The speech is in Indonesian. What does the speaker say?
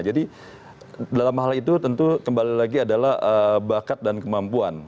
jadi dalam hal itu tentu kembali lagi adalah bakat dan kemampuan